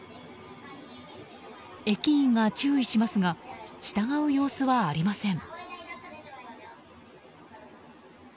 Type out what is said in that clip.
駅員が注意しますが従う様子はありません。